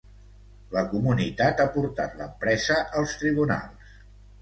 La comunitat ha portat l'empresa als tribunals.